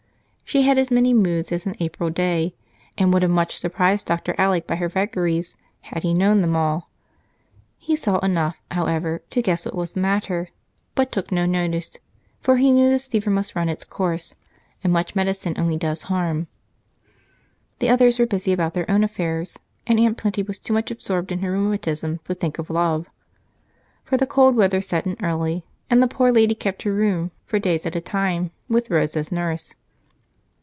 She had as many moods as an April day, and would have much surprised Dr. Alec by her vagaries had he known them all. He saw enough, however, to guess what was the matter, but took no notice, for he knew this fever must run its course, and much medicine only does harm. The others were busy about their own affairs, and Aunt Plenty was too much absorbed in her rheumatism to think of love, for the cold weather set in early, and the poor lady kept her room for days at a time with Rose as nurse.